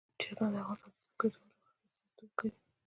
چرګان د افغانستان د ځانګړي ډول جغرافیه استازیتوب کوي.